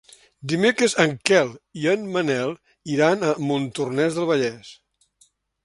Dimecres en Quel i en Manel iran a Montornès del Vallès.